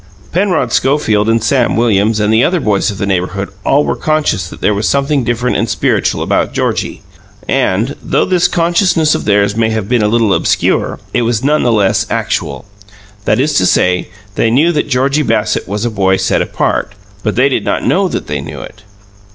Penrod Schofield and Sam Williams and the other boys of the neighbourhood all were conscious that there was something different and spiritual about Georgie, and, though this consciousness of theirs may have been a little obscure, it was none the less actual. That is to say, they knew that Georgie Bassett was a boy set apart; but they did not know that they knew it.